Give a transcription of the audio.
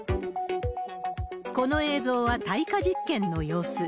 この映像は、耐火実験の様子。